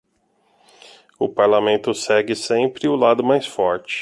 O parlamento segue sempre o lado mais forte.